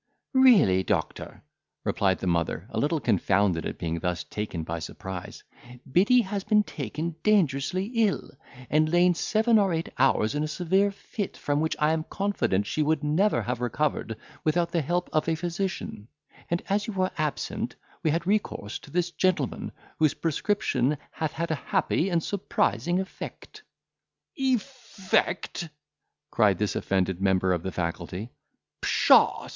"Really, doctor," replied the mother, a little confounded at being thus taken by surprise, "Biddy has been taken dangerously ill, and lain seven or eight hours in a severe fit, from which I am confident she would never have recovered without the help of a physician; and as you were absent, we had recourse to this gentleman, whose prescription hath had a happy and surprising effect." "Effect!" cried this offended member of the faculty, "pshaw!